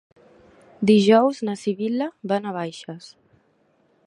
Dijous na Sibil·la va a Navaixes.